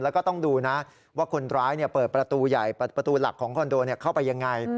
แล้วก็ต้องดูนะว่าคนร้ายเปิดประตูใหญ่ประตูหลักของคอนโดเข้าไปยังไง